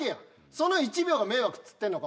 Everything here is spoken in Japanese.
その１秒が迷惑っつってんのか？